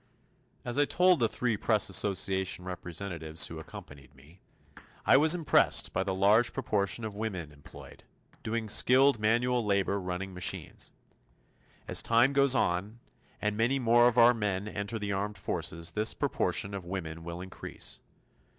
As I told the three press association representatives who accompanied me, I was impressed by the large proportion of women employed doing skilled manual labor running machines. As time goes on, and many more of our men enter the armed forces, this proportion of women will increase.